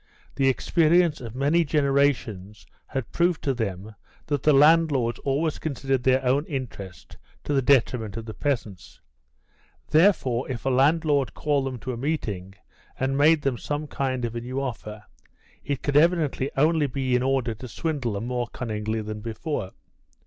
The experience of many generations had proved to them that the landlords always considered their own interest to the detriment of the peasants. Therefore, if a landlord called them to a meeting and made them some kind of a new offer, it could evidently only be in order to swindle them more cunningly than before.